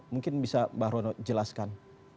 mungkin bisa mbah rono jelaskan